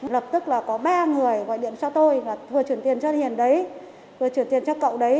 lập tức là có ba người gọi điện cho tôi và vừa chuyển tiền cho hiền đấy vừa chuyển tiền cho cậu đấy